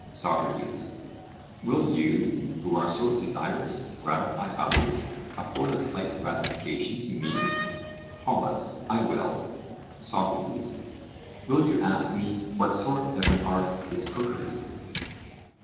SOCRATES: Will you, who are so desirous to gratify others, afford a slight gratification to me? POLUS: I will. SOCRATES: Will you ask me, what sort of an art is cookery?